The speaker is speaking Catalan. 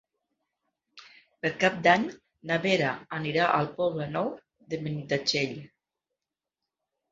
Per Cap d'Any na Vera anirà al Poble Nou de Benitatxell.